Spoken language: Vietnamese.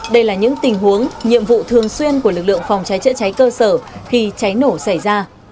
đây là những tình huống nhiệm vụ thường xuyên của lực lượng phòng cháy chữa cháy cơ sở khi cháy nổ xảy ra